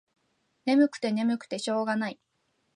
ねむくてねむくてしょうがない。